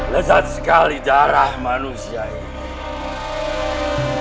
lezat sekali darah manusia ini